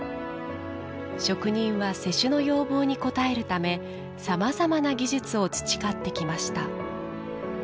職人は施主の要望に応えるためさまざまな技術を培ってきました。